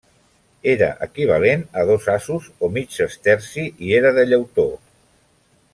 Era equivalent a dos asos o mig sesterci i era de llautó.